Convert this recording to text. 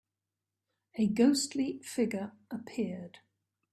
A ghostly figure appeared.